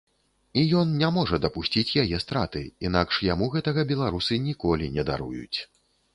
І ён не можа дапусціць яе страты, інакш яму гэтага беларусы ніколі не даруюць.